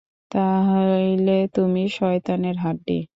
তাইলে তুমি শয়তানের হাড্ডি।